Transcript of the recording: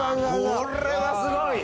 これはすごい！